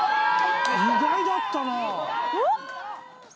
意外だったな。